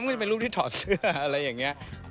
ก็จะเป็นรูปที่ถอดเสื้ออะไรอย่างนี้